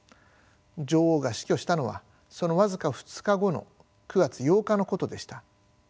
女王が死去したのはその僅か２日後の９月８日のことでした。